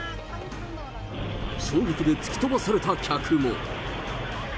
衝撃で突き飛ばされた客も。